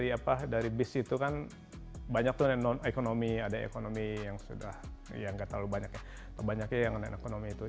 apa dari bis itu kan banyak tuh yang non ekonomi ada ekonomi yang sudah ya nggak terlalu banyak ya banyaknya yang non ekonomi itu